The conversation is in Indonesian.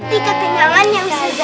ini ketinggalannya saza